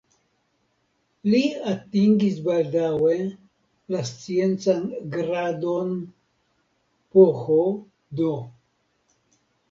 Li atingis baldaŭe la sciencan gradon PhD.